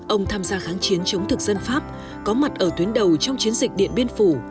ông tham gia kháng chiến chống thực dân pháp có mặt ở tuyến đầu trong chiến dịch điện biên phủ